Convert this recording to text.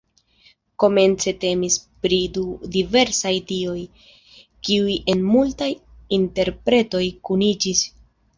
Komence temis pri du diversaj dioj, kiuj en multaj interpretoj kuniĝis.